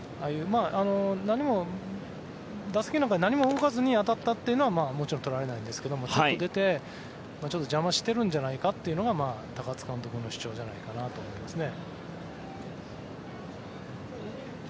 打席なんか何も動かずに当たったというのはもちろん取られないんですけどちょっと出て邪魔してるんじゃないかっていうのが高津監督の主張じゃないかなと思いますね。